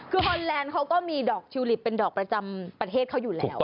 คือฮอนแลนด์เขาก็มีดอกทิวลิปเป็นดอกประจำประเทศเขาอยู่แล้ว